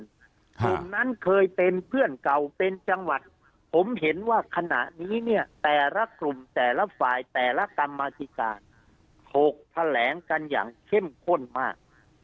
กลุ่มนั้นเคยเป็นเพื่อนเก่าเป็นจังหวัดผมเห็นว่าขณะนี้เนี่ยแต่ละกลุ่มแต่ละฝ่ายแต่ละกรรมธิการถกแถลงกันอย่างเข้มข้นมาก